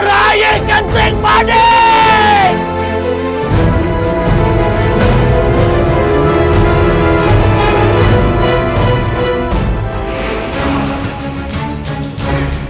rayi kenting manik